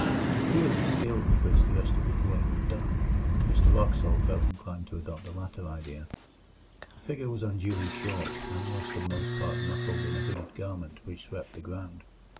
In view of the skill with which the rest of the drawing was done, Mr Wraxall felt inclined to adopt the latter idea. The figure was unduly short, and was for the most part muffled in a hooded garment which swept the ground.